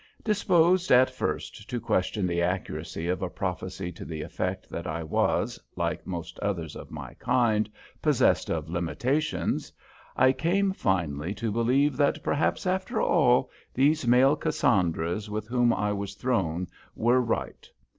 Disposed at first to question the accuracy of a prophecy to the effect that I was, like most others of my kind, possessed of limitations, I came finally to believe that perhaps, after all, these male Cassandras with whom I was thrown were right.